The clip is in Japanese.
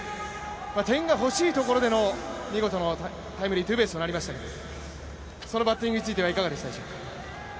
点が欲しいところでの見事なタイムリーツーベースとなりましたがそのバッティングについてはいかがだったでしょうか？